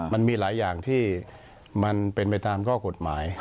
มันมีหลายอย่างที่มันเป็นไปตามข้อกฎหมาย